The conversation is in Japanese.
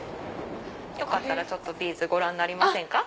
よかったらビーズご覧になりませんか？